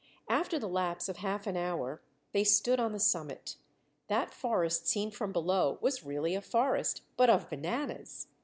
After the lapse of half an hour they stood on the summit. That forest seen from below was really a forest but of bananas.